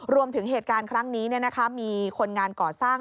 เหตุการณ์ครั้งนี้มีคนงานก่อสร้าง